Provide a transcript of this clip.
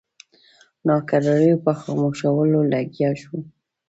ناکراریو په خاموشولو لګیا شو.